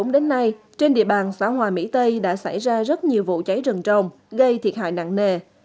hai nghìn một mươi bốn đến nay trên địa bàn xã hòa mỹ tây đã xảy ra rất nhiều vụ cháy rừng trồng gây thiệt hại nặng nề